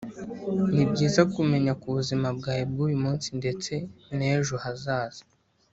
ni byiza kumenya ku buzima bwawe bw’uyu munsi ndetse n’ejo hazaza.